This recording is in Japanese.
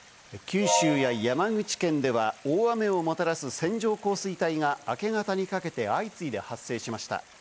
九州や山口県では大雨をもたらす線状降水帯が明け方にかけて相次いで発生しました。